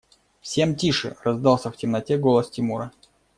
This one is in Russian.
Всем тише! – раздался в темноте голос Тимура.